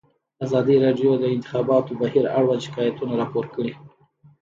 ازادي راډیو د د انتخاباتو بهیر اړوند شکایتونه راپور کړي.